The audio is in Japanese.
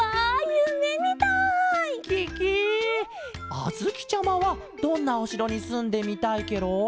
あづきちゃまはどんなおしろにすんでみたいケロ？